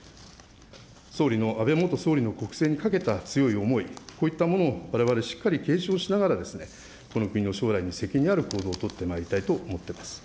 総理の、安倍元総理の国政に懸けた強い思い、こういったものをわれわれしっかり継承しながら、この国の将来に責任ある行動を取ってまいりたいと思ってます。